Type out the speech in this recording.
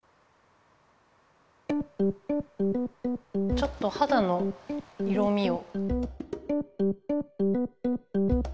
ちょっとはだの色みを。